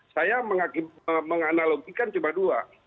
saya menganalogikan cuma dua